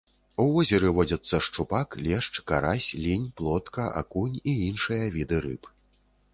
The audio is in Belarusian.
У возеры водзяцца шчупак, лешч, карась, лінь, плотка, акунь і іншыя віды рыб.